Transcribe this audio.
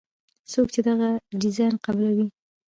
څوک چې دغه ډیزاین قبلوي.